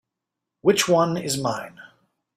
Which one is mine?